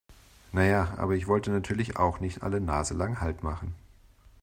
Na ja, aber ich wollte natürlich auch nicht alle naselang Halt machen.